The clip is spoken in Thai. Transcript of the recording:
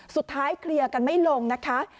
สุดท้ายเคลียรกันไม่ลงนะคะ